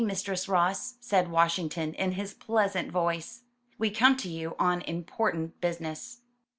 Mistress Ross," said Wash ington in his pleasant voice. ''We come to you on important business."